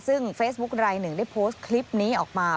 ซึ่งเฟซบุ๊คลายหนึ่งได้โพสต์คลิปนี้ออกมา